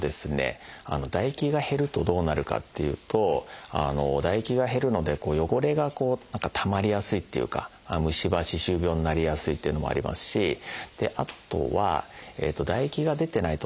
唾液が減るとどうなるかっていうと唾液が減るので汚れがたまりやすいっていうか虫歯・歯周病になりやすいっていうのもありますしあとは唾液が出てないと食べるのも食べづらい。